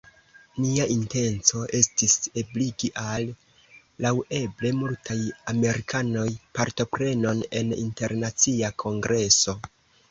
nia intenco estis ebligi al laŭeble multaj amerikanoj partoprenon en internacia kongreso.